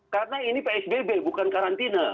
karena ini psbb bukan karantina